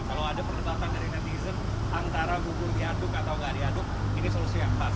kalau ada perdebatan dari netizen antara bubur diaduk atau nggak diaduk ini solusi yang pas